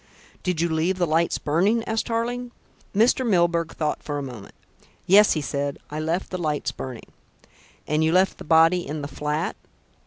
"Did you leave the lights burning?" asked Tarling. Mr. Milburgh thought for a moment. "Yes," he said, "I left the lights burning." "And you left the body in the flat?"